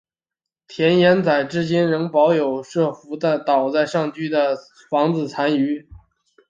盐田仔至今仍保有福若瑟当年在岛上居住时的房子的残余。